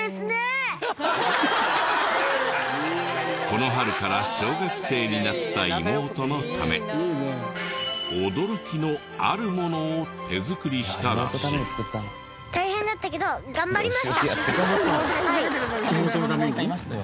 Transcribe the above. この春から小学生になった妹のため驚きのあるものを手作りしたらしい。頑張ったの？